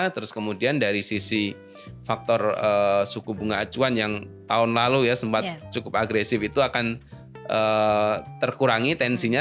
terus kemudian dari sisi faktor suku bunga acuan yang tahun lalu ya sempat cukup agresif itu akan terkurangi tensinya